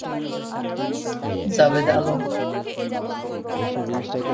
জাভেদ আনন্দ একটি রক্ষণশীল মুসলিম পরিবারে জন্মগ্রহণ করেন।